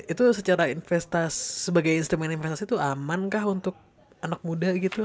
itu secara investasi sebagai instrumen investasi tuh aman kah untuk anak muda gitu